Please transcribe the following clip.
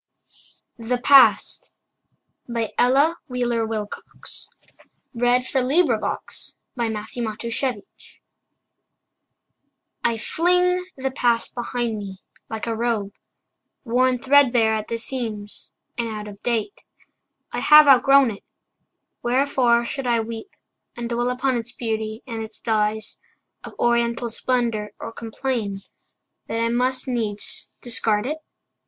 or him alway. Ella Wheeler Wilcox The Past I FLING the past behind me, like a robe Worn threadbare at the seams, and out of date. I have outgrown it. Wherefore should I weep And dwell upon its beauty, and its dyes Of oriental splendor, or complain That I must needs discard it?